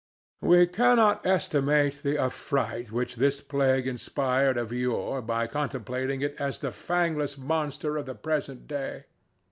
We cannot estimate the affright which this plague inspired of yore by contemplating it as the fangless monster of the present day.